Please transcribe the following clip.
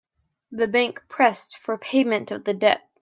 The bank pressed for payment of the debt.